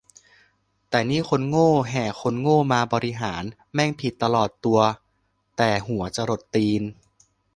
แต่นี่คนโง่แห่คนโง่มาบริหาร แม่งผิดตลอดตัวแต่หัวจรดตีน